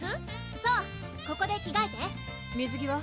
そうここで着替えて水着は？